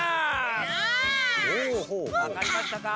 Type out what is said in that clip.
わかりましたか？